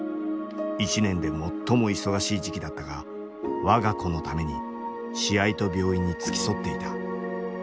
１年で最も忙しい時期だったが我が子のために試合と病院に付き添っていた。